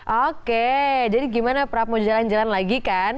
oke jadi gimana prap mau jalan jalan lagi kan